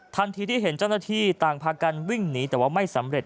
ทันทีที่เห็นเจ้าหน้าที่ต่างพากันวิ่งหนีแต่ว่าไม่สำเร็จ